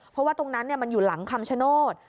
เพราะว่าตรงนั้นมันอยู่หลังคำชโนธ